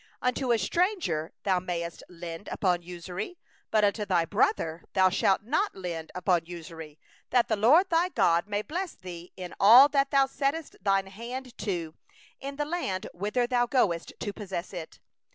21Unto a foreigner thou mayest lend upon interest; but unto thy brother thou shalt not lend upon interest; that the LORD thy God may bless thee in all that thou puttest thy hand unto, in the land whither thou goest in to possess it.